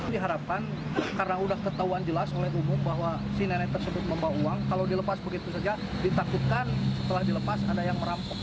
diharapkan karena sudah ketahuan jelas oleh umum bahwa si nenek tersebut membawa uang kalau dilepas begitu saja ditakutkan setelah dilepas ada yang merampok